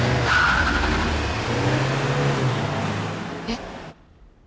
えっ？